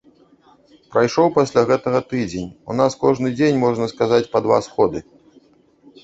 Прайшоў пасля гэтага тыдзень, у нас кожны дзень, можна сказаць, па два сходы.